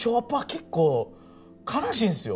結構悲しいんですよ。